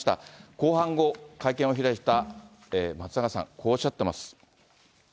公判後、会見を開いた松永さん、こうおっしゃってます。